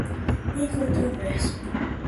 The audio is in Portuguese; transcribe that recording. incontroverso